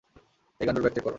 এই গান্ডুর bag check কর।